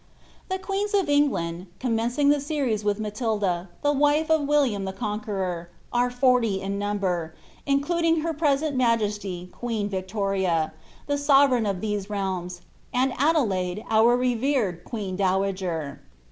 The Queens of England, commencing the series with Matilda, the of Williaui the Conqueror, ari? forty in number, including her pre !ni majesty queen Victoria, tlie sovereign ol these reulms, and Ade Ide, our revered queen dowager.